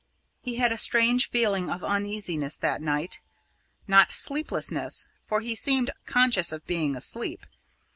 He had a strange feeling of uneasiness that night not sleeplessness, for he seemed conscious of being asleep.